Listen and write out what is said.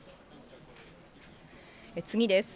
次です。